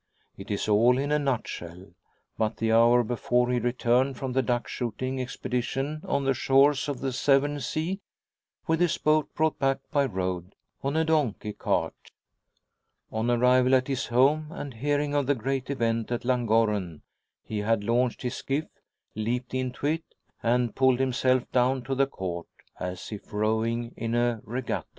It is all in a nutshell. But the hour before he returned from the duck shooting expedition on the shores of the Severn sea, with his boat brought back by road on a donkey cart. On arrival at his home, and hearing of the great event at Llangorren, he had launched his skiff, leaped into it, and pulled himself down to the Court as if rowing in a regatta.